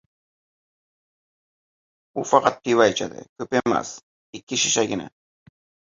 U faqat pivo ichadi. Ko‘p emas, ikki shishagina.